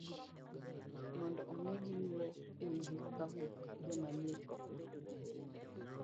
mondo omi giwuo kuomgi kapok joma nie chokruok go ool